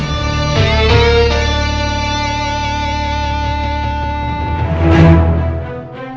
seperti si iwan